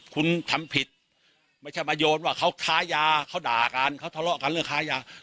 คุณทำผิดไม่ใช่มาโยนว่าเขาค้ายาเขาด่ากันเขาทะเลาะกันเรื่องค้ายา